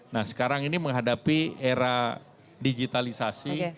nah sekarang ini menghadapi era digitalisasi